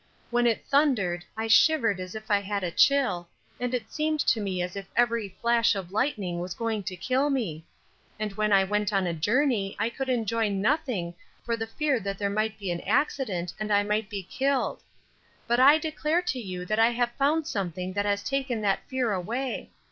When it thundered I shivered as if I had a chill, and it seemed to me as if every flash of lightning was going to kill me; and when I went on a journey I could enjoy nothing for the fear that there might be an accident and I might be killed. But I declare to you that I have found something that has taken the fear away.